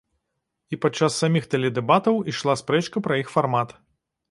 І падчас саміх тэледэбатаў ішла спрэчка пра іх фармат.